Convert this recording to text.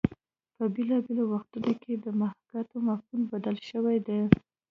په بېلابېلو وختونو کې د محاکات مفهوم بدل شوی دی